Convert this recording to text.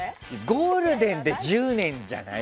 ゴールデンで１０年じゃない？